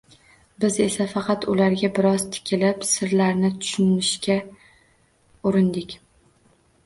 Biz esa faqat ularga biroz tikilib, sirlarini tushunishga urindik